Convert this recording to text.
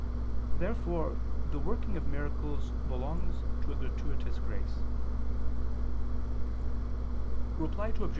Therefore the working of miracles belongs to a gratuitous grace. Reply Obj.